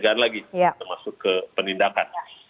kita masuk ke pendidikan